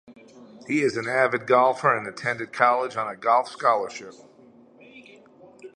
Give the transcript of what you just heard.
He is an avid golfer and attended college on a golf scholarship.